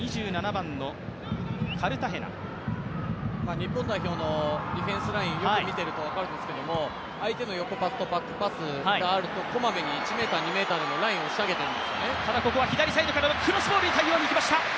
日本代表のディフェンスライン、よく見ていると分かるんですけど相手の横パスとバックパスがあると、こまめに１ｍ、２ｍでもラインを押し上げているんですよね。